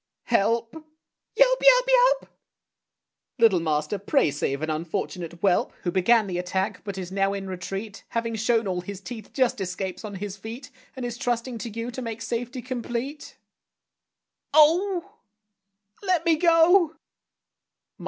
Help! Yelp! yelp! yelp! Little master, pray save an unfortunate whelp, Who began the attack, but is now in retreat, Having shown all his teeth, just escapes on his feet, And is trusting to you to make safety complete. Oh! Let me go!